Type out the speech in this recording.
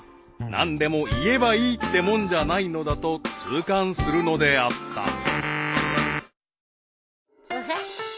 ［何でも言えばいいってもんじゃないのだと痛感するのであった］